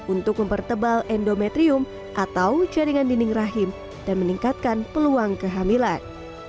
untuk mempertebal endometrium atau jaringan dinding rahim dan meningkatkan peluang kehamilan